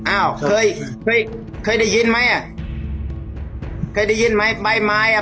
อ้าวเคยเคยเคยได้ยินไหมอ่ะเคยได้ยินไหมใบไม้อ่ะ